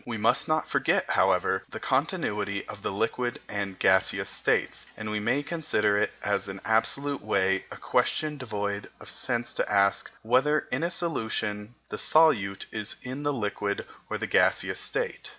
We must not forget, however, the continuity of the liquid and gaseous states; and we may consider it in an absolute way a question devoid of sense to ask whether in a solution the solute is in the liquid or the gaseous state.